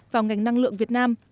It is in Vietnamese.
vào ngành năng lượng việt nam